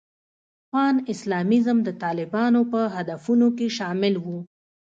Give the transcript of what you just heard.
پان اسلامیزم د طالبانو په هدفونو کې شامل و.